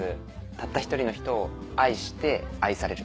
たった１人の人を愛して愛される。